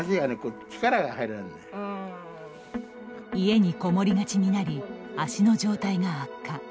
家に籠もりがちになり足の状態が悪化。